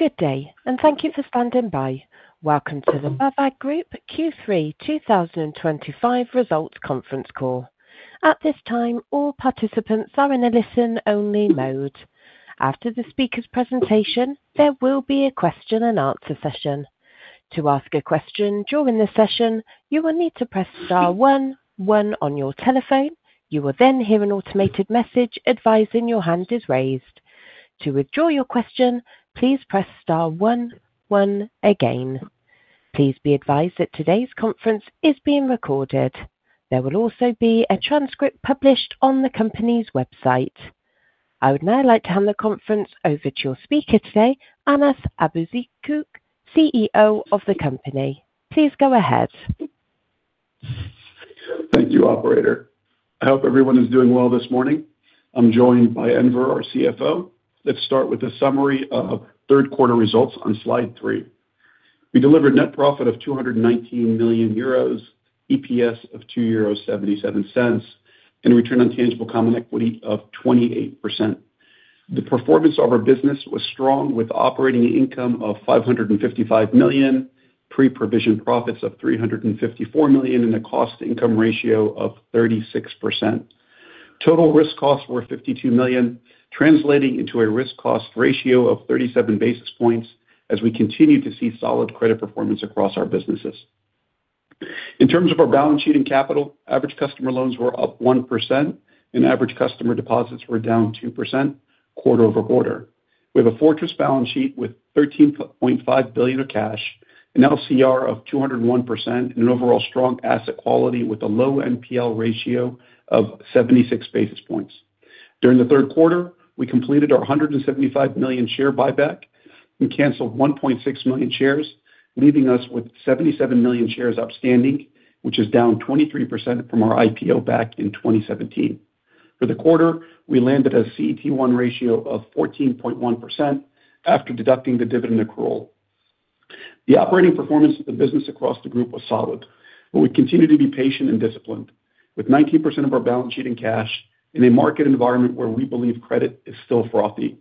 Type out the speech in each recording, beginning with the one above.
Good day, and thank you for standing by. Welcome to the BAWAG Group Q3 2025 results conference call. At this time, all participants are in a listen-only mode. After the speaker's presentation, there will be a question-and-answer session. To ask a question during the session, you will need to press star one, one on your telephone. You will then hear an automated message advising your hand is raised. To withdraw your question, please press star one, one again. Please be advised that today's conference is being recorded. There will also be a transcript published on the company's website. I would now like to hand the conference over to your speaker today, Anas Abuzaakouk, CEO of the company. Please go ahead. Thank you, operator. I hope everyone is doing well this morning. I'm joined by Enver, our CFO. Let's start with a summary of third-quarter results on slide three. We delivered a net profit of 219 million euros, EPS of 2.77 euros, and a return on tangible common equity of 28%. The performance of our business was strong, with an operating income of 555 million, pre-provision profits of 354 million, and a cost-to-income ratio of 36%. Total risk costs were 52 million, translating into a risk-cost ratio of 37 basis points, as we continue to see solid credit performance across our businesses. In terms of our balance sheet and capital, average customer loans were up 1%, and average customer deposits were down 2% quarter-over-quarter. We have a fortress balance sheet with 13.5 billion of cash, an LCR of 201%, and an overall strong asset quality with a low NPL ratio of 76 basis points. During the third quarter, we completed our 175 million share buyback and canceled 1.6 million shares, leaving us with 77 million shares outstanding, which is down 23% from our IPO back in 2017. For the quarter, we landed a CET1 ratio of 14.1% after deducting the dividend accrual. The operating performance of the business across the group was solid, yet we continue to be patient and disciplined, with 19% of our balance sheet in cash in a market environment where we believe credit is still frothy.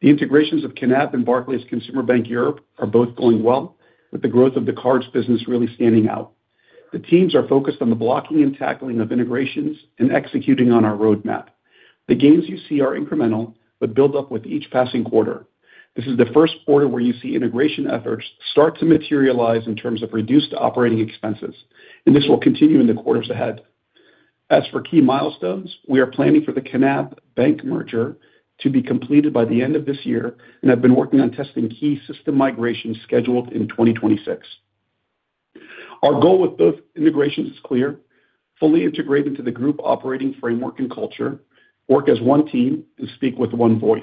The integrations of Knab and Barclays Consumer Bank Europe are both going well, with the growth of the cards business really standing out. The teams are focused on the blocking and tackling of integrations and executing on our roadmap. The gains you see are incremental but build up with each passing quarter. This is the first quarter where you see integration efforts start to materialize in terms of reduced operating expenses, and this will continue in the quarters ahead. As for key milestones, we are planning for the Knab bank merger to be completed by the end of this year, and I've been working on testing key system migrations scheduled in 2026. Our goal with both integrations is clear: fully integrate into the group operating framework and culture, work as one team, and speak with one voice.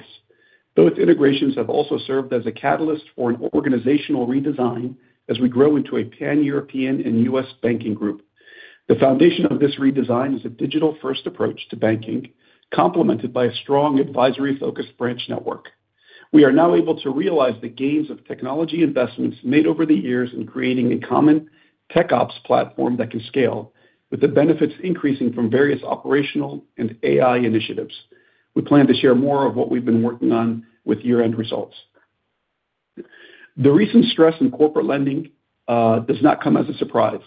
Both integrations have also served as a catalyst for an organizational redesign as we grow into a Pan-European and U.S. banking group. The foundation of this redesign is a digital-first approach to banking, complemented by a strong advisory-focused branch network. We are now able to realize the gains of technology investments made over the years in creating a common tech ops platform that can scale, with the benefits increasing from various operational and AI-driven operational initiatives. We plan to share more of what we've been working on with year-end results. The recent stress in corporate lending does not come as a surprise.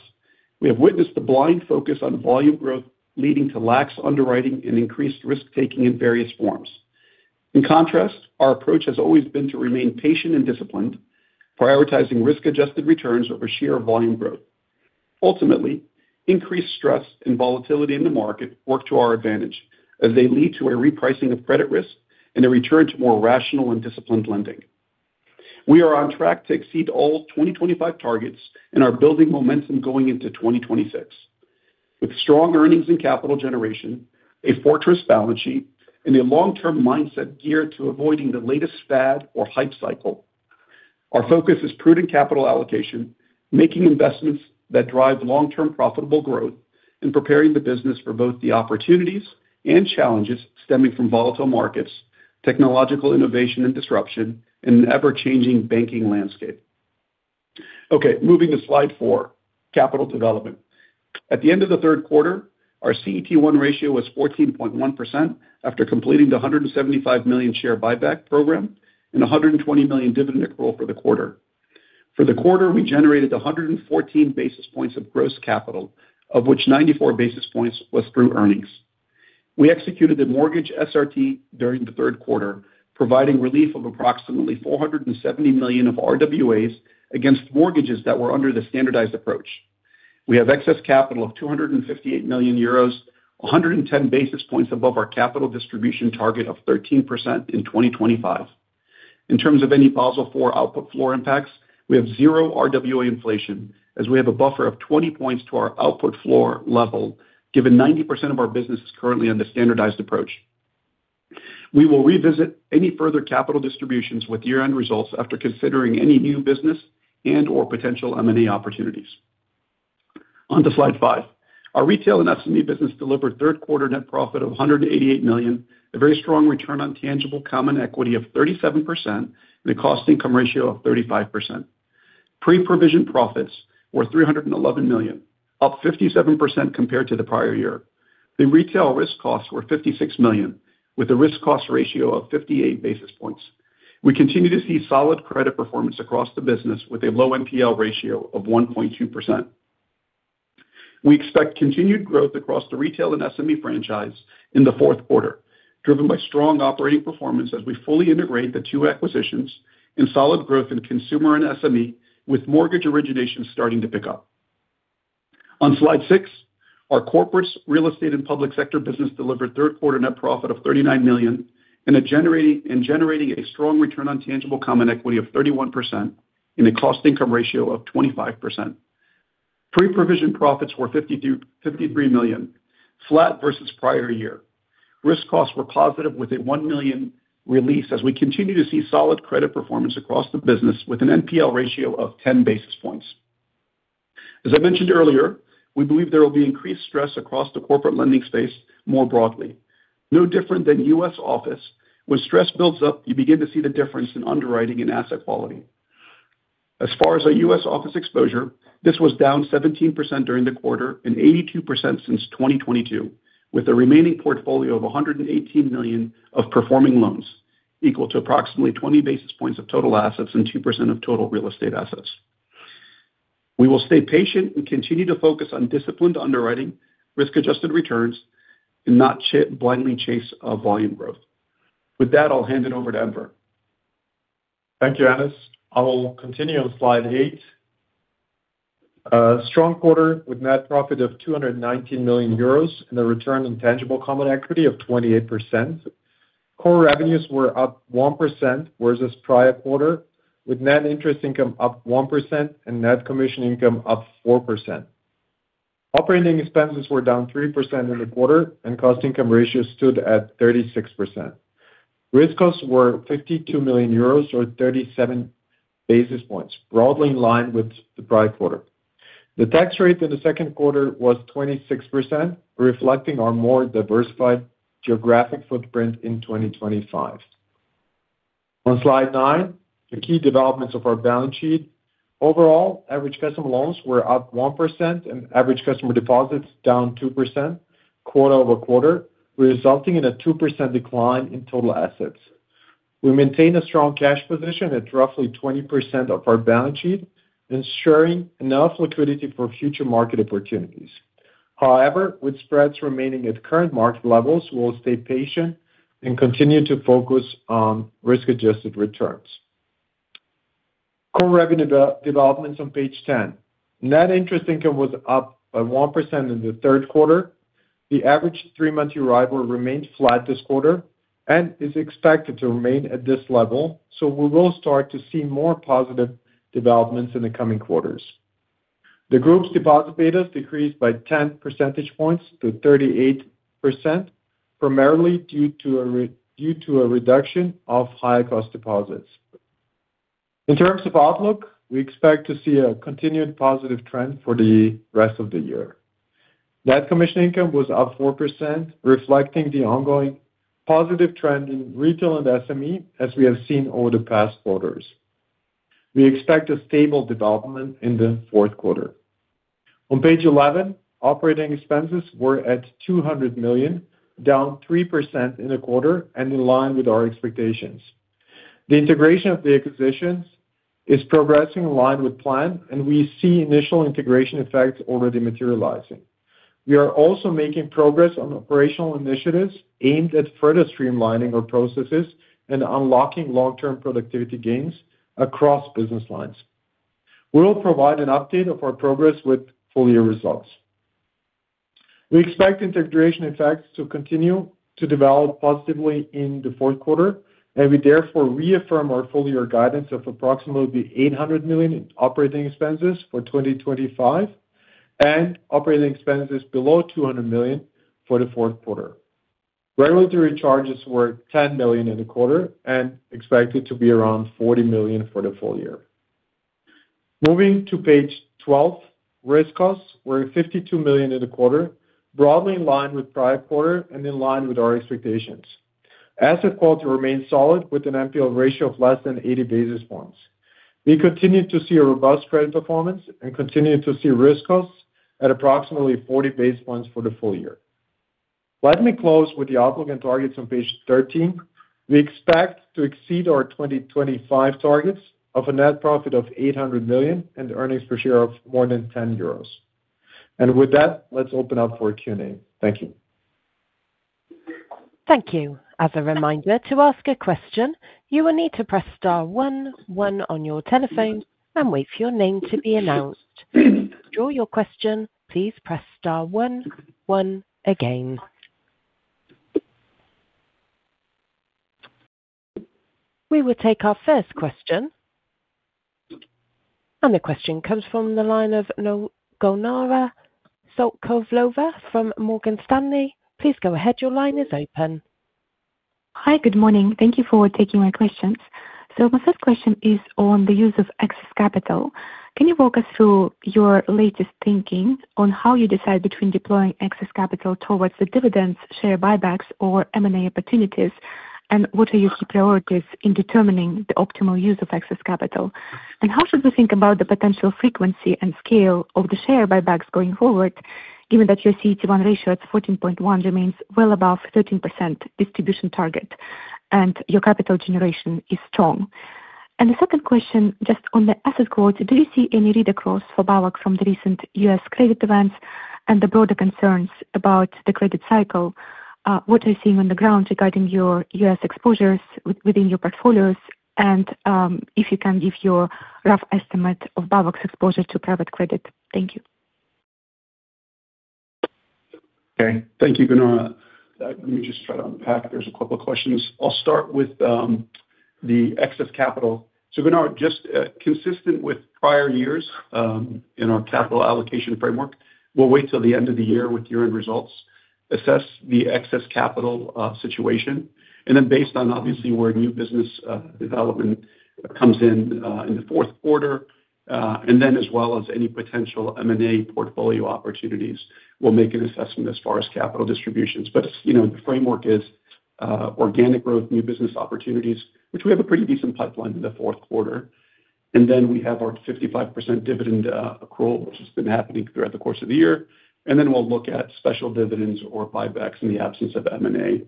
We have witnessed the blind focus on volume growth leading to lax underwriting and increased risk-taking in various forms. In contrast, our approach has always been to remain patient and disciplined, prioritizing risk-adjusted returns over sheer volume growth. Ultimately, increased stress and volatility in the market work to our advantage, as they lead to a repricing of credit risk and a return to more rational and disciplined lending. We are on track to exceed all 2025 targets and are building momentum going into 2026, with strong earnings and capital generation, a fortress balance sheet, and a long-term mindset geared to avoiding the latest fad or hype cycle. Our focus is prudent capital allocation, making investments that drive long-term profitable growth, and preparing the business for both the opportunities and challenges stemming from volatile markets, technological innovation and disruption, and an ever-changing banking landscape. Okay, moving to slide four, capital development. At the end of the third quarter, our CET1 ratio was 14.1% after completing the 175 million share buyback program and 120 million dividend accrual for the quarter. For the quarter, we generated 114 basis points of gross capital, of which 94 basis points were through earnings. We executed a mortgage SRT during the third quarter, providing relief of approximately 470 million of RWAs against mortgages that were under the standardized approach. We have excess capital of 258 million euros, 110 basis points above our capital distribution target of 13% in 2025. In terms of any Basel IV output floor impacts, we have zero RWA inflation, as we have a buffer of 20 points to our output floor level, given 90% of our business is currently under standardized approach. We will revisit any further capital distributions with year-end results after considering any new business and/or potential M&A opportunities. On to slide five. Our retail and SME business delivered third-quarter net profit of 188 million, a very strong return on tangible common equity of 37%, and a cost-to-income ratio of 35%. Pre-provision profits were 311 million, up 57% compared to the prior year. The retail risk costs were 56 million, with a risk-cost ratio of 58 basis points. We continue to see solid credit performance across the business, with a low NPL ratio of 1.2%. We expect continued growth across the retail and SME franchise in the fourth quarter, driven by strong operating performance as we fully integrate the two acquisitions and solid growth in consumer and SME, with mortgage origination starting to pick up. On slide six, our corporate real estate and public sector business delivered third-quarter net profit of 39 million and generating a strong return on tangible common equity of 31% and a cost-to-income ratio of 25%. Pre-provision profits were 53 million, flat versus prior year. Risk costs were positive, with a 1 million release, as we continue to see solid credit performance across the business, with an NPL ratio of 10 basis points. As I mentioned earlier, we believe there will be increased stress across the corporate lending space more broadly. No different than U.S. office, when stress builds up, you begin to see the difference in underwriting and asset quality. As far as our U.S. office exposure, this was down 17% during the quarter and 82% since 2022, with a remaining portfolio of 118 million of performing loans, equal to approximately 20 basis points of total assets and 2% of total real estate assets. We will stay patient and continue to focus on disciplined underwriting, risk-adjusted returns, and not blindly chase volume growth. With that, I'll hand it over to Enver. Thank you, Anas. I'll continue on slide eight. Strong quarter with net profit of 219 million euros and a return on tangible common equity of 28%. Core revenues were up 1% versus prior quarter, with net interest income up 1% and net commission income up 4%. Operating expenses were down 3% in the quarter, and cost-to-income ratio stood at 36%. Risk costs were 52 million euros, or 37 basis points, broadly in line with the prior quarter. The tax rate in the second quarter was 26%, reflecting our more diversified geographic footprint in 2025. On slide nine, the key developments of our balance sheet. Overall, average customer loans were up 1% and average customer deposits down 2%, quarter-over-quarter, resulting in a 2% decline in total assets. We maintain a strong cash position at roughly 20% of our balance sheet, ensuring enough liquidity for future market opportunities. However, with spreads remaining at current market levels, we will stay patient and continue to focus on risk-adjusted returns. Core revenue developments on page 10. Net interest income was up by 1% in the third quarter. The average three-month arrival remained flat this quarter and is expected to remain at this level, so we will start to see more positive developments in the coming quarters. The group's deposit betas decreased by 10 percentage points to 38%, primarily due to a reduction of high-cost deposits. In terms of outlook, we expect to see a continued positive trend for the rest of the year. Net commission income was up 4%, reflecting the ongoing positive trend in retail and SME, as we have seen over the past quarters. We expect a stable development in the fourth quarter. On page 11, operating expenses were at 200 million, down 3% in the quarter and in line with our expectations. The integration of the acquisitions is progressing in line with plan, and we see initial integration effects already materializing. We are also making progress on operational initiatives aimed at further streamlining our processes and unlocking long-term productivity gains across business lines. We'll provide an update of our progress with full-year results. We expect integration effects to continue to develop positively in the fourth quarter, and we therefore reaffirm our full-year guidance of approximately 800 million in operating expenses for 2025 and operating expenses below 200 million for the fourth quarter. Regulatory charges were 10 million in the quarter and expected to be around 40 million for the full year. Moving to page 12, risk costs were 52 million in the quarter, broadly in line with prior quarter and in line with our expectations. Asset quality remains solid, with an NPL ratio of less than 80 basis points. We continue to see a robust credit performance and continue to see risk costs at approximately 40 basis points for the full year. Let me close with the outlook and targets on page 13. We expect to exceed our 2025 targets of a net profit of 800 million and earnings per share of more than 10 euros. With that, let's open up for a Q&A. Thank you. Thank you. As a reminder, to ask a question, you will need to press star one, one on your telephone and wait for your name to be announced. To withdraw your question, please press star one, one again. We will take our first question. The question comes from the line of [Nogonara Sokolova] from Morgan Stanley. Please go ahead. Your line is open. Hi, good morning. Thank you for taking my questions. My first question is on the use of excess capital. Can you walk us through your latest thinking on how you decide between deploying excess capital towards the dividends, share buybacks, or M&A opportunities, and what are your key priorities in determining the optimal use of excess capital? How should we think about the potential frequency and scale of the share buybacks going forward, given that your CET1 ratio at 14.1% remains well above the 13% distribution target and your capital generation is strong? The second question, just on the asset quality, do you see any read across for BAWAG from the recent U.S. credit events and the broader concerns about the credit cycle? What are you seeing on the ground regarding your U.S. exposures within your portfolios? If you can give your rough estimate of BAWAG's exposure to private credit. Thank you. Okay. Thank you, Gunnar. Let me just try to unpack. There's a couple of questions. I'll start with the excess capital. So, Gunnar, just consistent with prior years in our capital allocation framework, we'll wait till the end of the year with year-end results, assess the excess capital situation. Then based on, obviously, where new business development comes in in the fourth quarter, as well as any potential M&A portfolio opportunities, we'll make an assessment as far as capital distributions. The framework is organic growth, new business opportunities, which we have a pretty decent pipeline in the fourth quarter. We have our 55% dividend accrual, which has been happening throughout the course of the year. Then we'll look at special dividends or buybacks in the absence of M&A.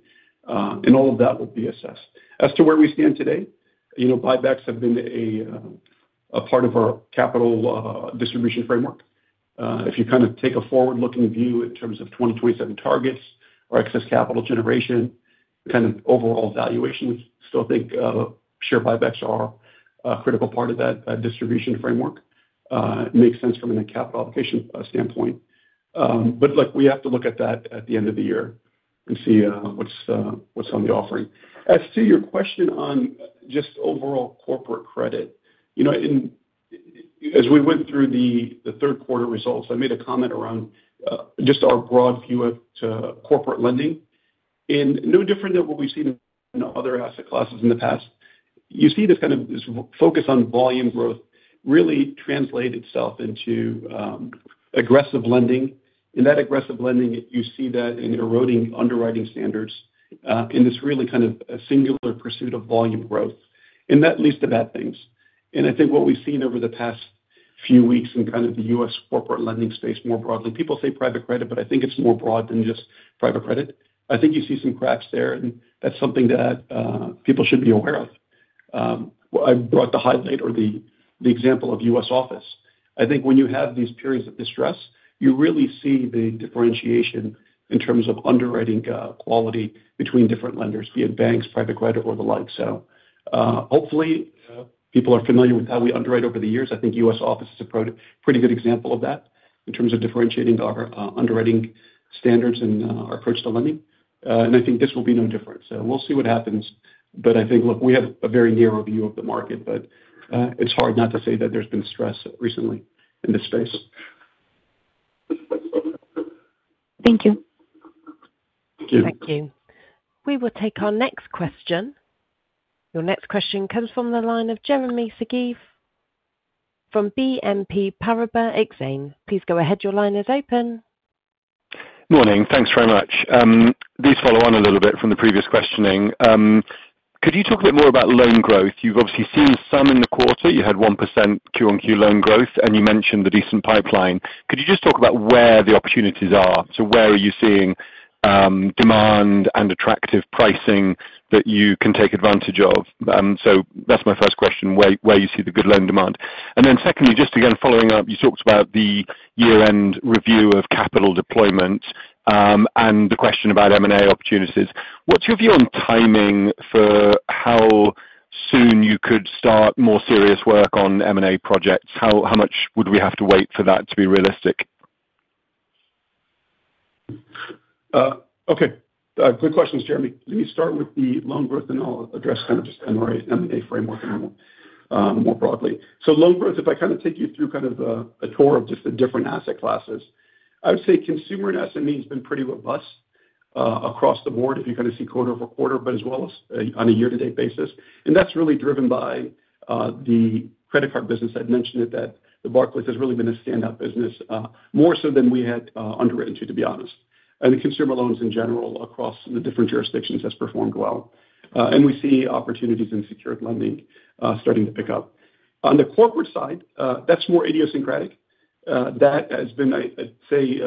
All of that will be assessed. As to where we stand today, buybacks have been a part of our capital distribution framework. If you kind of take a forward-looking view in terms of 2027 targets, our excess capital generation, kind of overall valuation, we still think share buybacks are a critical part of that distribution framework. It makes sense from a capital allocation standpoint. We have to look at that at the end of the year and see what's on the offering. As to your question on just overall corporate credit, as we went through the third-quarter results, I made a comment around just our broad view to corporate lending. No different than what we've seen in other asset classes in the past, you see this kind of focus on volume growth really translate itself into aggressive lending. That aggressive lending, you see that in eroding underwriting standards in this really kind of singular pursuit of volume growth. That leads to bad things. I think what we've seen over the past few weeks in kind of the U.S. corporate lending space more broadly, people say private credit, but I think it's more broad than just private credit. I think you see some cracks there, and that's something that people should be aware of. I brought the highlight or the example of U.S. office. I think when you have these periods of distress, you really see the differentiation in terms of underwriting quality between different lenders, be it banks, private credit, or the like. Hopefully, people are familiar with how we underwrite over the years. I think U.S. office is a pretty good example of that in terms of differentiating our underwriting standards and our approach to lending. I think this will be no different. We'll see what happens. I think, look, we have a very narrow view of the market, but it's hard not to say that there's been stress recently in this space. Thank you. Thank you. Thank you. We will take our next question. Your next question comes from the line of Jeremy Sigee from BNP Paribas Exane. Please go ahead. Your line is open. Morning. Thanks very much. These follow on a little bit from the previous questioning. Could you talk a bit more about loan growth? You've obviously seen some in the quarter. You had 1% QoQ loan growth, and you mentioned the decent pipeline. Could you just talk about where the opportunities are? Where are you seeing demand and attractive pricing that you can take advantage of? That's my first question, where you see the good loan demand. Secondly, just again following up, you talked about the year-end review of capital deployment and the question about M&A opportunities. What's your view on timing for how soon you could start more serious work on M&A projects? How much would we have to wait for that to be realistic? Okay. Good questions, Jeremy. Let me start with the loan growth, and I'll address kind of just M&A framework more broadly. Loan growth, if I kind of take you through kind of a tour of just the different asset classes, I would say consumer and SME has been pretty robust across the board if you kind of see quarter-over-quarter, but as well as on a year-to-date basis. That's really driven by the credit card business. I'd mentioned it that the Barclays Consumer Bank Europe has really been a standout business, more so than we had underwritten to, to be honest. The consumer loans in general across the different jurisdictions have performed well. We see opportunities in secured lending starting to pick up. On the corporate side, that's more idiosyncratic. That has been, I'd say,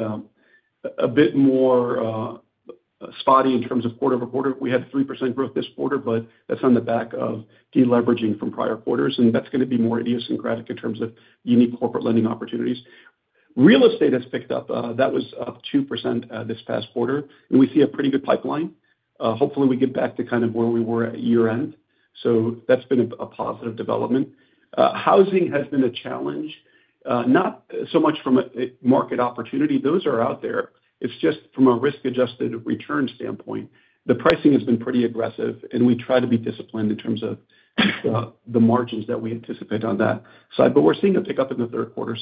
a bit more spotty in terms of quarter-over-quarter. We had 3% growth this quarter, but that's on the back of deleveraging from prior quarters, and that's going to be more idiosyncratic in terms of unique corporate lending opportunities. Real estate has picked up. That was up 2% this past quarter, and we see a pretty good pipeline. Hopefully, we get back to kind of where we were at year-end. That's been a positive development. Housing has been a challenge, not so much from a market opportunity. Those are out there. It's just from a risk-adjusted return standpoint, the pricing has been pretty aggressive, and we try to be disciplined in terms of the margins that we anticipate on that side. We're seeing a pickup in the third quarter.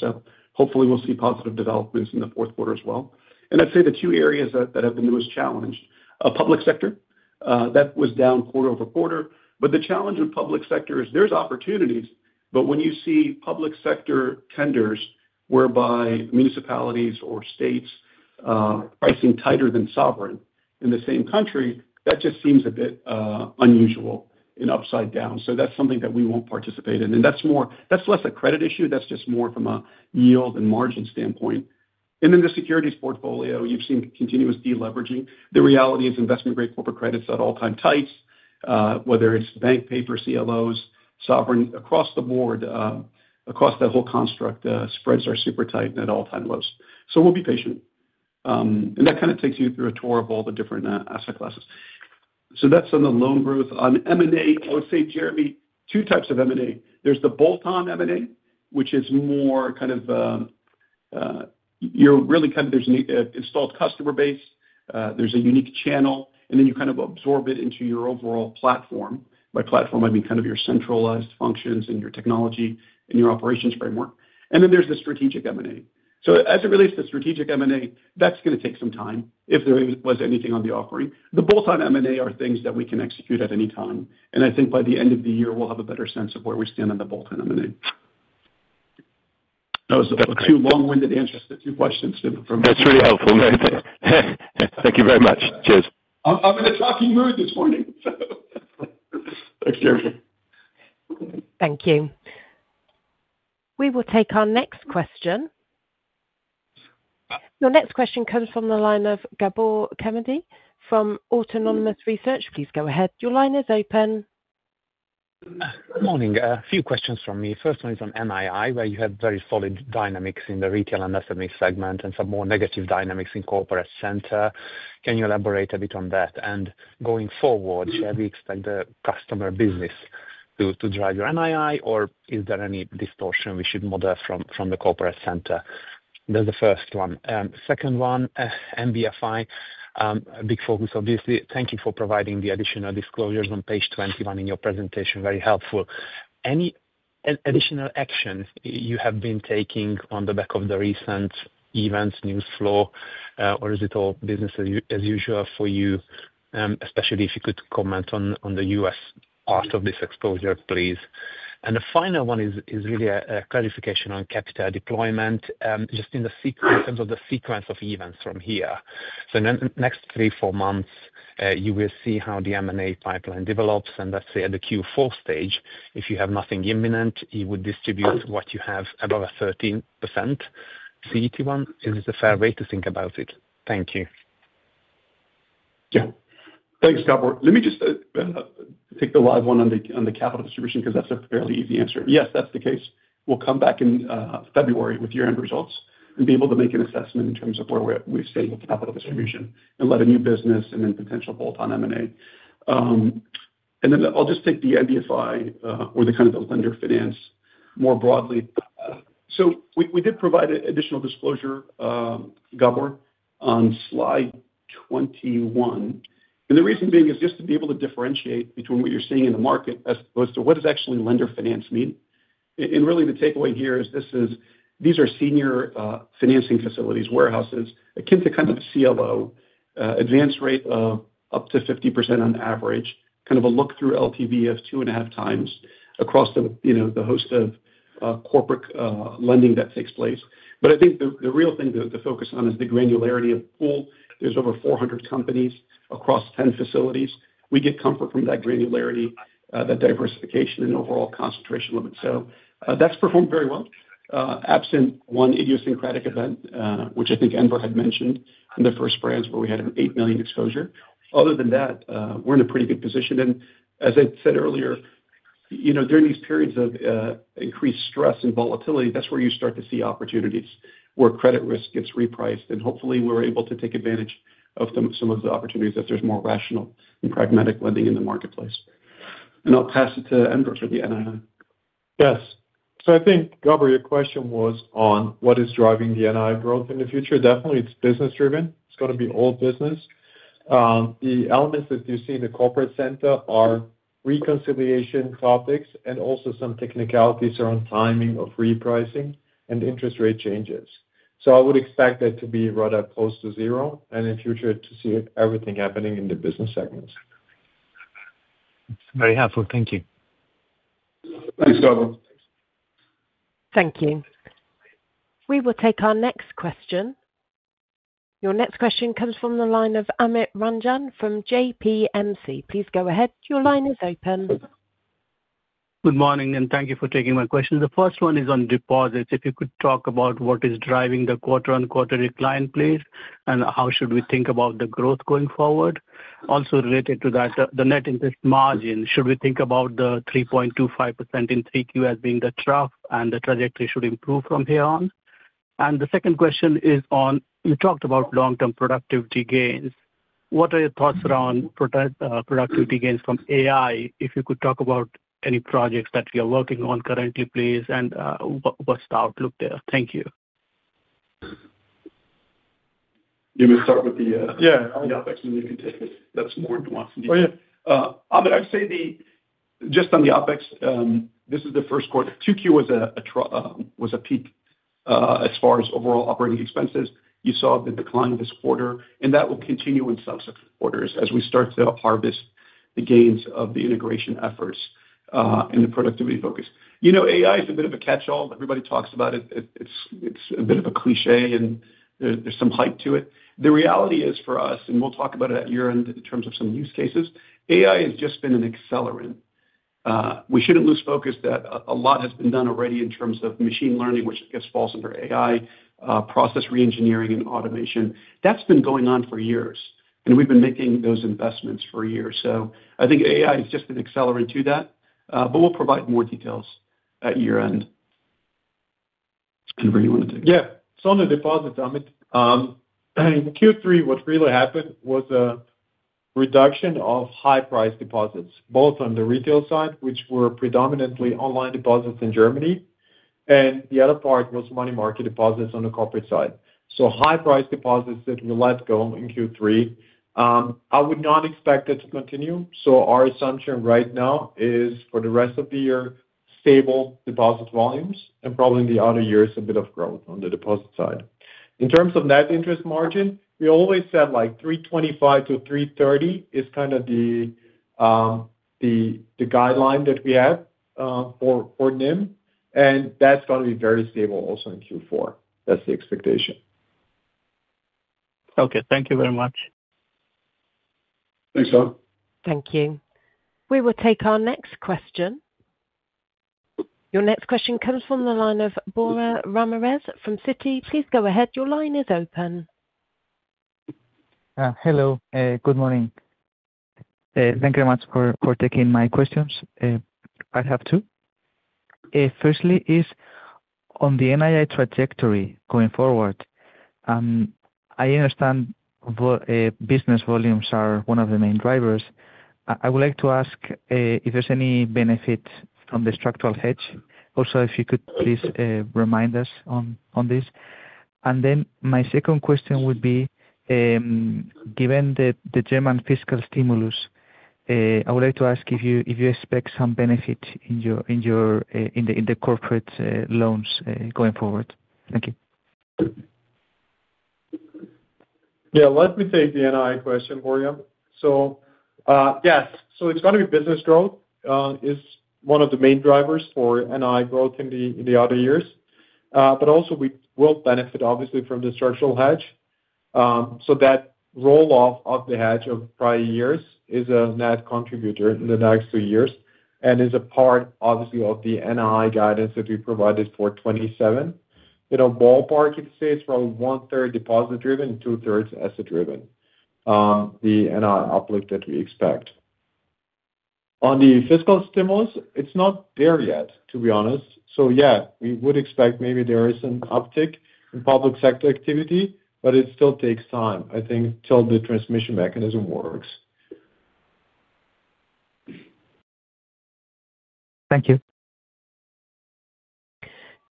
Hopefully, we'll see positive developments in the fourth quarter as well. I'd say the two areas that have been the most challenged are public sector. That was down quarter-over-quarter. The challenge with public sector is there's opportunities, but when you see public sector tenders whereby municipalities or states pricing tighter than sovereign in the same country, that just seems a bit unusual and upside down. That's something that we won't participate in. That's less a credit issue. That's just more from a yield and margin standpoint. The securities portfolio, you've seen continuous deleveraging. The reality is investment-grade corporate credit is at all-time tights, whether it's bank, paper, CLOs, sovereign, across the board, across that whole construct, spreads are super tight and at all-time lows. We'll be patient. That kind of takes you through a tour of all the different asset classes. That's on the loan growth. On M&A, I would say, Jeremy, two types of M&A. There's the bolt-on M&A, which is more kind of you're really kind of there's an installed customer base, there's a unique channel, and then you kind of absorb it into your overall platform. By platform, I mean kind of your centralized functions and your technology and your operations framework. There's the strategic M&A. As it relates to strategic M&A, that's going to take some time if there was anything on the offering. The bolt-on M&A are things that we can execute at any time. I think by the end of the year, we'll have a better sense of where we stand on the bolt-on M&A. That was a too long-winded answer to two questions. That's really helpful. Thank you very much. Cheers. I'm in a talking mood this morning. Thanks, Jeremy. Thank you. We will take our next question. Your next question comes from the line of Gabor Kemeny from Autonomous Research. Please go ahead. Your line is open. Morning. A few questions from me. First one is on MII, where you had very solid dynamics in the retail and SME segment and some more negative dynamics in corporate center. Can you elaborate a bit on that? Going forward, shall we expect the customer business to drive your MII, or is there any distortion we should model from the corporate center? That's the first one. Second one, MBFI, big focus, obviously. Thank you for providing the additional disclosures on page 21 in your presentation. Very helpful. Any additional actions you have been taking on the back of the recent events, news flow, or is it all business as usual for you, especially if you could comment on the U.S. part of this exposure, please? The final one is really a clarification on capital deployment just in terms of the sequence of events from here. In the next three, four months, you will see how the M&A pipeline develops, and let's say at the Q4 stage, if you have nothing imminent, you would distribute what you have above a 13% CET1. Is this a fair way to think about it? Thank you. Yeah. Thanks, Gabor. Let me just take the live one on the capital distribution because that's a fairly easy answer. Yes, that's the case. We'll come back in February with year-end results and be able to make an assessment in terms of where we've seen with capital distribution and let a new business and then potential bolt-on M&A. I'll just take the MBFI or the kind of the lender finance more broadly. We did provide additional disclosure, Gabor, on slide 21. The reason being is just to be able to differentiate between what you're seeing in the market as opposed to what does actually lender finance mean. Really, the takeaway here is these are senior financing facilities, warehouses, akin to kind of a CLO, advance rate of up to 50% on average, kind of a look-through LTV of 2.5x across the host of corporate lending that takes place. I think the real thing to focus on is the granularity of the pool. There's over 400 companies across 10 facilities. We get comfort from that granularity, that diversification, and overall concentration limit. That's performed very well, absent one idiosyncratic event, which I think Enver had mentioned in the first brands where we had an $8 million exposure. Other than that, we're in a pretty good position. As I said earlier, during these periods of increased stress and volatility, that's where you start to see opportunities where credit risk gets repriced. Hopefully, we're able to take advantage of some of the opportunities that there's more rational and pragmatic lending in the marketplace. I'll pass it to Enver for the NII. Yes. I think, Gabor, your question was on what is driving the NII growth in the future. Definitely, it's business-driven. It's going to be all business. The elements that you see in the corporate center are reconciliation topics and also some technicalities around timing of repricing and interest rate changes. I would expect that to be rather close to zero and in the future to see everything happening in the business segments. Very helpful. Thank you. Thanks, Gabor. Thank you. We will take our next question. Your next question comes from the line of Amit Ranjan from JPMC. Please go ahead. Your line is open. Good morning, and thank you for taking my question. The first one is on deposits. If you could talk about what is driving the quarter-on-quarter decline, please, and how should we think about the growth going forward? Also, related to that, the net interest margin, should we think about the 3.25% in 3Q as being the trough and the trajectory should improve from here on? The second question is on you talked about long-term productivity gains. What are your thoughts around productivity gains from AI? If you could talk about any projects that you're working on currently, please, and what's the outlook there? Thank you. Do you want me to start with the OpEx? Then we can take it. That's more nuanced in detail. Oh, yeah. I would say just on the OpEx, this is the first quarter. Q2 was a peak as far as overall operating expenses. You saw the decline this quarter, and that will continue in subsequent quarters as we start to harvest the gains of the integration efforts and the productivity focus. You know, AI is a bit of a catch-all. Everybody talks about it. It's a bit of a cliché, and there's some hype to it. The reality is for us, and we'll talk about it at year-end in terms of some use cases, AI has just been an accelerant. We shouldn't lose focus that a lot has been done already in terms of machine learning, which I guess falls under AI, process re-engineering, and automation. That's been going on for years, and we've been making those investments for years. I think AI is just an accelerant to that, but we'll provide more details at year-end. Enver, you want to take it? Yeah. On the deposits, Amit, in Q3, what really happened was a reduction of high-priced deposits, both on the retail side, which were predominantly online deposits in Germany, and the other part was money market deposits on the corporate side. High-priced deposits were let go in Q3. I would not expect it to continue. Our assumption right now is for the rest of the year, stable deposit volumes, and probably in the other years, a bit of growth on the deposit side. In terms of net interest margin, we always said like 3.25%-3.30% is kind of the guideline that we have for NIM, and that's going to be very stable also in Q4. That's the expectation. Okay, thank you very much. Thanks, sir. Thank you. We will take our next question. Your next question comes from the line of Borja Ramirez from Citi. Please go ahead. Your line is open. Hello. Good morning. Thank you very much for taking my questions. I have two. Firstly, on the NII trajectory going forward, I understand business volumes are one of the main drivers. I would like to ask if there's any benefit from the structural hedge. Also, if you could please remind us on this. My second question would be, given the German fiscal stimulus, I would like to ask if you expect some benefit in the corporate loans going forward. Thank you. Let me take the NII question for you. Yes, it's going to be business growth as one of the main drivers for NII growth in the other years. We will benefit, obviously, from the structural hedge. That roll-off of the hedge of prior years is a net contributor in the next two years and is a part, obviously, of the NII guidance that we provided for 2027. In a ballpark, you'd say it's probably one-third deposit-driven and two-thirds asset-driven, the NII uplift that we expect. On the fiscal stimulus, it's not there yet, to be honest. We would expect maybe there is an uptick in public sector activity, but it still takes time, I think, till the transmission mechanism works. Thank you.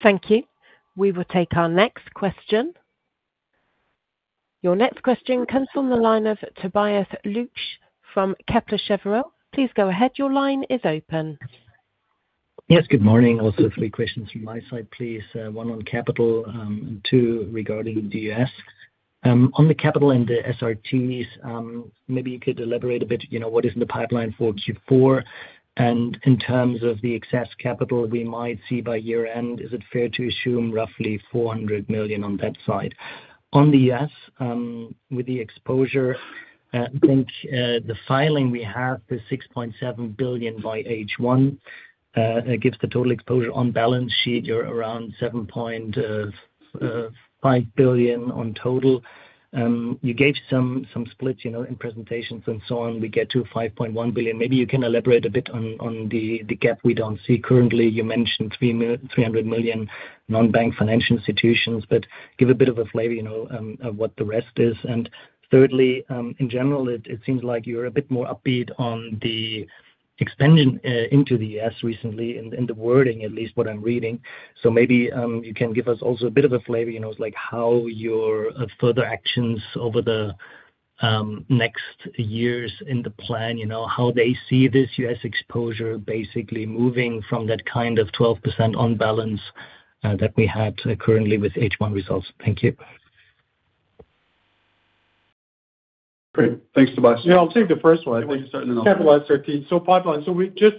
Thank you. We will take our next question. Your next question comes from the line of [Tobias Luch] from Kepler Cheuvreux. Please go ahead. Your line is open. Yes. Good morning. Also, three questions from my side, please. One on capital and two regarding the U.S. On the capital and the SRTs, maybe you could elaborate a bit, you know, what is in the pipeline for Q4? In terms of the excess capital we might see by year-end, is it fair to assume roughly 400 million on that side? On the U.S., with the exposure, I think the filing we have is $6.7 billion by H1. It gives the total exposure on balance sheet. You're around $7.5 billion on total. You gave some splits in presentations and so on. We get to $5.1 billion. Maybe you can elaborate a bit on the gap we don't see currently. You mentioned $300 million non-bank financial institutions, but give a bit of a flavor of what the rest is. Thirdly, in general, it seems like you're a bit more upbeat on the expansion into the U.S. recently in the wording, at least what I'm reading. Maybe you can give us also a bit of a flavor, you know, like how your further actions over the next years in the plan, you know, how they see this U.S. exposure basically moving from that kind of 12% on balance that we had currently with H1 results. Thank you. Great. Thanks, Tobias. Yeah, I'll take the first one. Capital SRT. We just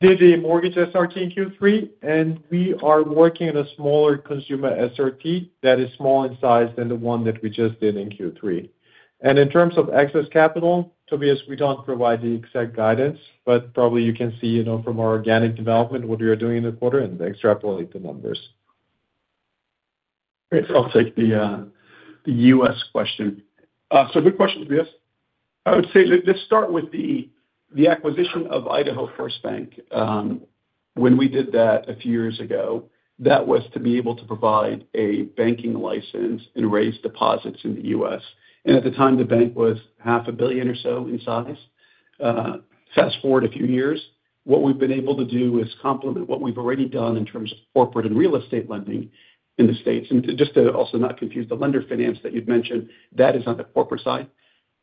did a mortgage SRT in Q3, and we are working on a smaller consumer SRT that is smaller in size than the one that we just did in Q3. In terms of excess capital, Tobias, we don't provide the exact guidance, but probably you can see from our organic development what we are doing in the quarter and extrapolate the numbers. Great. I'll take the U.S. question. Good question, Tobias. I would say let's start with the acquisition of Idaho First Bank. When we did that a few years ago, that was to be able to provide a banking license and raise deposits in the U.S. At the time, the bank was $0.5 billion or so in size. Fast forward a few years, what we've been able to do is complement what we've already done in terms of corporate and real estate lending in the States. Just to also not confuse the lender finance that you'd mentioned, that is on the corporate side.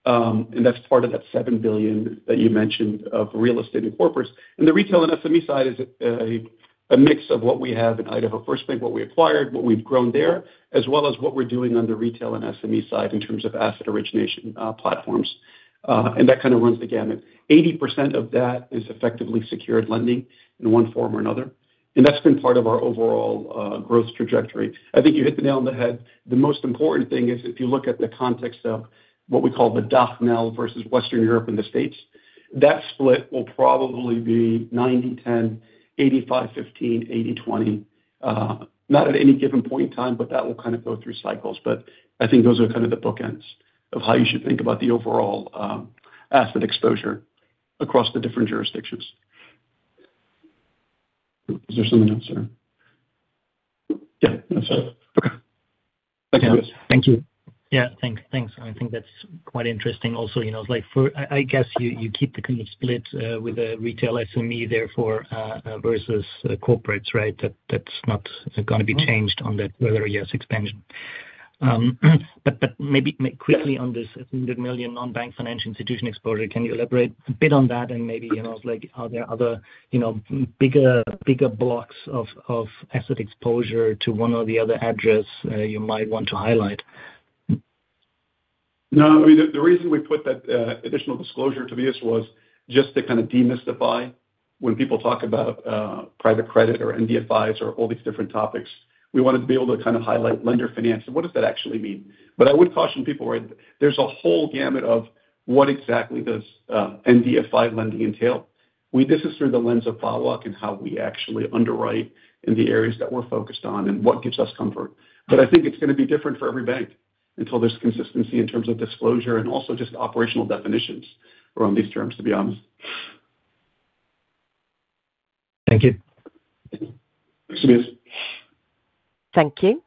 That's part of that $7 billion that you mentioned of real estate and corporates. The retail and SME side is a mix of what we have in Idaho First Bank, what we acquired, what we've grown there, as well as what we're doing on the retail and SME side in terms of asset origination platforms. That kind of runs the gamut. 80% of that is effectively secured lending in one form or another. That's been part of our overall growth trajectory. I think you hit the nail on the head. The most important thing is if you look at the context of what we call the DOC NEL versus Western Europe and the States, that split will probably be 90-10, 85-15, 80-20, not at any given point in time, but that will kind of go through cycles. I think those are kind of the bookends of how you should think about the overall asset exposure across the different jurisdictions. Is there something else there? Yeah, that's it. Okay. Thank you, Tobias. Thank you. Yeah, thanks. Thanks. I think that's quite interesting. Also, you know, I guess you keep the kind of split with a retail SME, therefore, versus corporates, right? That's not going to be changed on that whether or yes, expansion. Maybe quickly on this $100 million non-bank financial institution exposure, can you elaborate a bit on that? Maybe, you know, are there other, you know, bigger blocks of asset exposure to one or the other address you might want to highlight? No. I mean, the reason we put that additional disclosure, Tobias, was just to kind of demystify when people talk about private credit or NDFIs or all these different topics. We wanted to be able to kind of highlight lender finance and what does that actually mean. I would caution people, right? There's a whole gamut of what exactly does NDFI lending entail. This is through the lens of BAWAG and how we actually underwrite in the areas that we're focused on and what gives us comfort. I think it's going to be different for every bank until there's consistency in terms of disclosure and also just operational definitions around these terms, to be honest. Thank you. Thanks, Tobias. Thank you.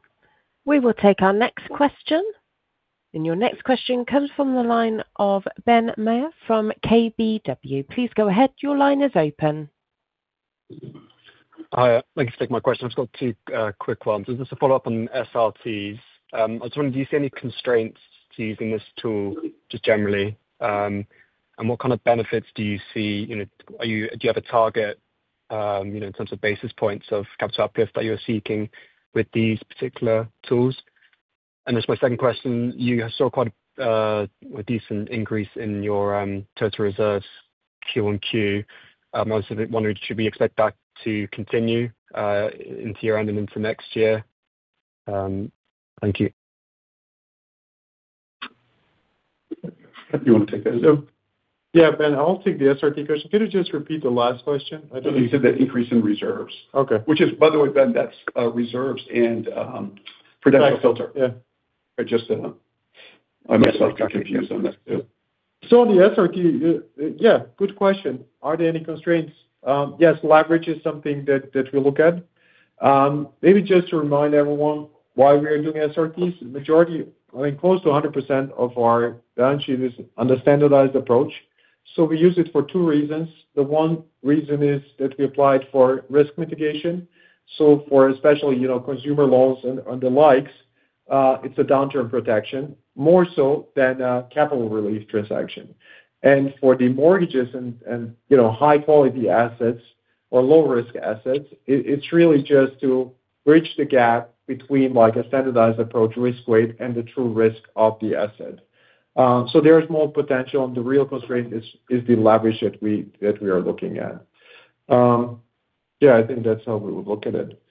We will take our next question. Your next question comes from the line of Ben Mayer from KBW. Please go ahead. Your line is open. Hi. I'd like to take my question. I've got two quick ones. This is a follow-up on SRTs. I was wondering, do you see any constraints to using this tool just generally? What kind of benefits do you see? Do you have a target in terms of basis points of capital uplift that you're seeking with these particular tools? This is my second question. You saw quite a decent increase in your total reserves QoQ. I was wondering, should we expect that to continue into year-end and into next year? Thank you. You want to take that? Ben, I'll take the SRT question. Could you just repeat the last question? You said that increase in reserves. Okay. Which is, by the way, Ben, that's reserves and prudential filter. Yeah. I must have got confused on that too. On the SRT, good question. Are there any constraints? Yes, leverage is something that we look at. Maybe just to remind everyone why we are doing SRTs. The majority, I mean, close to 100% of our balance sheet is on the standardized approach. We use it for two reasons. The one reason is that we applied for risk mitigation. For especially, you know, consumer loans and the likes, it's a downturn protection, more so than a capital relief transaction. For the mortgages and, you know, high-quality assets or low-risk assets, it's really just to bridge the gap between a standardized approach risk weight and the true risk of the asset. There is more potential. The real constraint is the leverage that we are looking at. I think that's how we would look at it.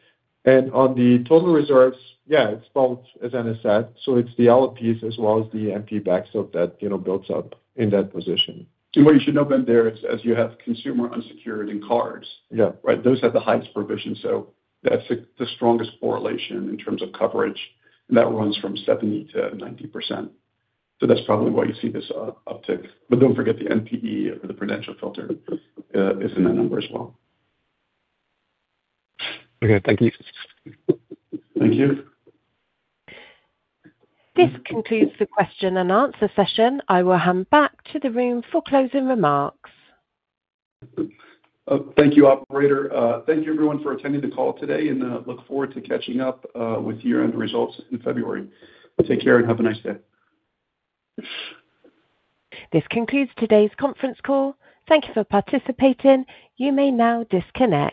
On the total reserves, it's both, as Anas said. It's the LOPs as well as the MPBacks that, you know, builds up in that position. You should note, Ben, there is as you have consumer unsecured and cards. Yeah. Right? Those have the highest provision. That's the strongest correlation in terms of coverage, and that runs from 70%-90%. That's probably why you see this uptick. Don't forget the NPL ratio or the prudential filter is in that number as well. Okay, thank you. Thank you. This concludes the question-and-answer session. I will hand back to the room for closing remarks. Thank you, operator. Thank you, everyone, for attending the call today. I look forward to catching up with your end results in February. Take care and have a nice day. This concludes today's conference call. Thank you for participating. You may now disconnect.